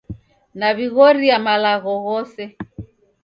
Naw'ighoria malagho ghose